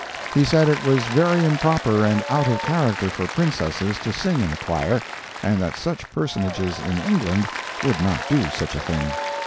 He said it was very improper and out of character for Princesses to sing in a choir, and that such personages in England would not do such a thing.